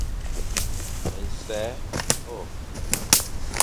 Nsè hôr.